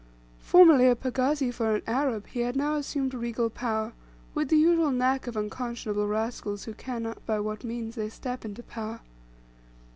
Formerly a pagazi for an Arab, he had now assumed regal power, with the usual knack of unconscionable rascals who care not by what means they step into power.